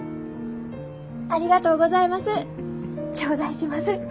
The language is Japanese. ありがとうございます。